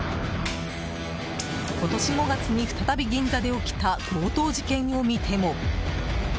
今年５月に再び銀座で起きた強盗事件を見ても。